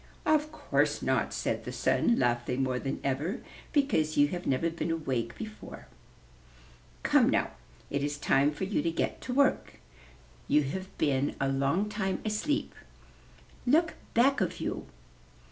"Of course not," said the Sun, laughing more than ever, "because you have never been awake before. Come, now, it is time for you to get to work; you have been a long time asleep. Look back of you.'